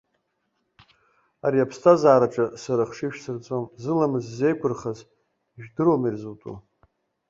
Ари аԥсҭазаараҿы, сара ахшыҩ шәсырҵом, зыламыс ззеиқәырхаз, ижәдыруама ирзутәу?